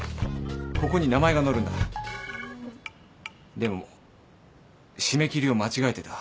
でも締め切りを間違えてた。